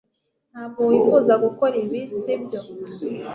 Ntabwo wifuza gukora ibi sibyo